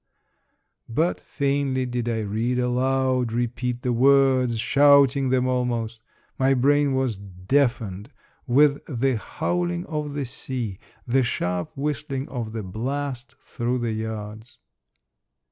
But vainly did I read aloud, repeat the words, shouting them almost; my brain was deafened with the howling of the sea, the sharp whistling of the blast through the yards.